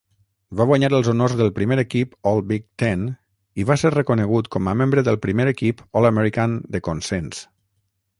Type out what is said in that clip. Va guanyar els honors del primer equip All-Big Ten i va ser reconegut com a membre del primer equip All-American de consens.